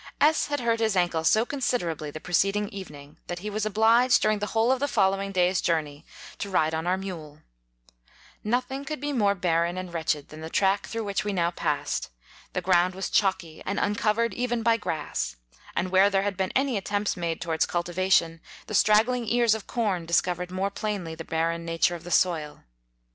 S had hurt his ancle so consider ably the preceding evening, that he was obliged, during the whole of the following day's journey, to ride on our 22 mule* Nothing could be more barren and wretched than the track through which we now passed ; the ground was chalky and uncovered even by grass, and where there had been any attempts made towards cultivation, the strag gling ears of corn discovered more plain ly the barren nature of the soil.